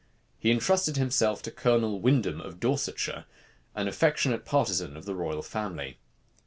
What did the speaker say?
He intrusted himself to Colone Windham of Dorsetshire, an affectionate partisan of the royal family.